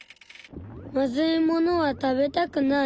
まずいものは食べたくない。